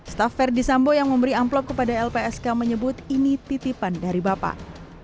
staff verdi sambo yang memberi amplop kepada lpsk menyebut ini titipan dari bapak